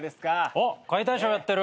あっ解体ショーやってる。